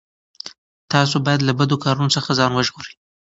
تاسو باید له بدو کارونو څخه ځان وژغورئ.